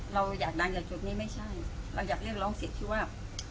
เราอยากดังจากจุดนี้ไม่ใช่เราอยากเรียกร้องสิทธิ์ที่ว่า